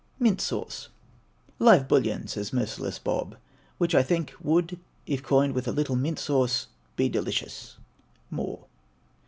MINT SAUCE. "Live bullion," says merciless Bob, "which I think Would, if coined with a little mint sauce, be delicious." MOORE.